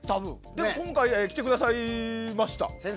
今回、来てくださいました。